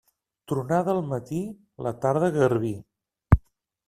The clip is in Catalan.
Tronada al matí, la tarda garbí.